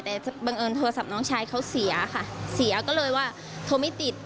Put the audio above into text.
แต่บังเอิญโทรศัพท์น้องชายเขาเสียค่ะเสียก็เลยว่าโทรไม่ติด